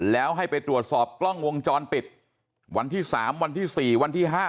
แล้วให้ไปตรวจสอบกล้องวงจรปิดวันที่๓วันที่๔วันที่๕